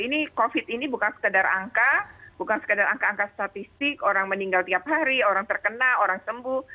ini covid ini bukan sekedar angka bukan sekedar angka angka statistik orang meninggal tiap hari orang terkena orang sembuh